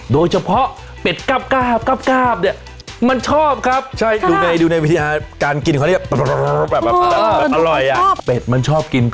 แบบนี้